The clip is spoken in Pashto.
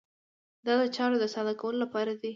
دا د چارو د ساده کولو لپاره دی.